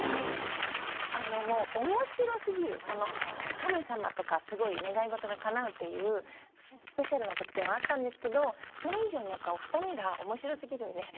神様とかすごい願い事がかなうっていうスペシャルな特典はあったんですけどそれ以上にやっぱ。